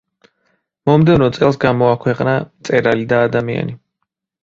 მომდევნო წელს გამოაქვეყნა „მწერალი და ადამიანი“.